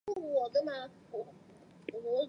之后林渊源再将白派事务传承给王金平。